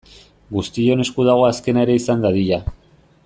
Guztion esku dago azkena ere izan dadila.